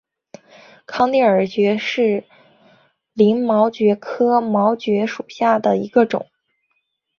康定耳蕨为鳞毛蕨科耳蕨属下的一个种。